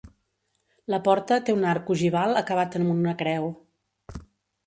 La porta té un arc ogival acabat amb una creu.